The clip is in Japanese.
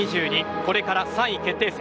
これから３位決定戦